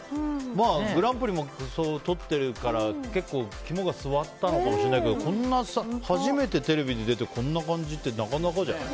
グランプリもとってるから肝が据わったのかもしれないけどこんな、初めてテレビに出てこんな感じってなかなかじゃない？